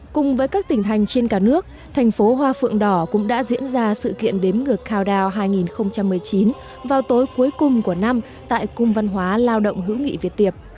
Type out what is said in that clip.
cùng với các tỉnh thành trên cả nước thành phố hoa phượng đỏ cũng đã diễn ra sự kiện đếm ngược coundon hai nghìn một mươi chín vào tối cuối cùng của năm tại cung văn hóa lao động hữu nghị việt tiệp